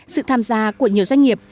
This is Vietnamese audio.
sự tham gia của nhiều doanh nghiệp